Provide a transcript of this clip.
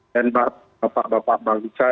dan bapak bapak bangsa